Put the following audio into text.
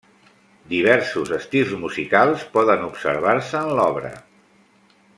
Diversos estils musicals poden observar-se en l'obra.